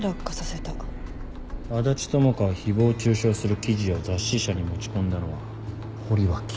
安達智花を誹謗中傷する記事を雑誌社に持ち込んだのは堀脇。